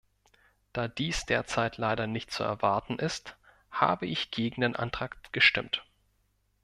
Da dies derzeit leider nicht zu erwarten ist, habe ich gegen den Antrag gestimmt.